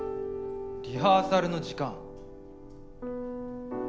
リハーサルの時間。